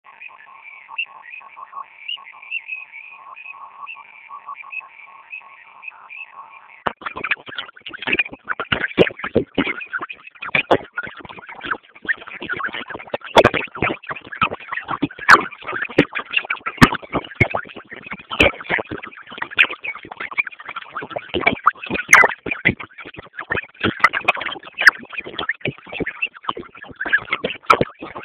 Uchaguzi wa Kenya elfu mbili ishirini na mbili : ushindani mkali